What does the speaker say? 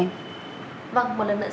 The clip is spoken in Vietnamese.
vâng một lần nữa xin cảm ơn bà đã nhận được